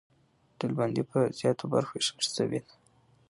ډلبندي پر زیاتو برخو وېشل سوې ده.